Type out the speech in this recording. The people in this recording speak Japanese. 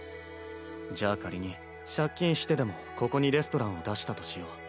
じゃあ仮に借金してでもここにレストランを出したとしよう。